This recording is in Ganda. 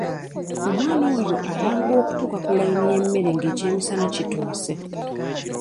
Omwana oyo ayanguwa okutuuka ku layini y'emmere ng'ekyemisana kituuse.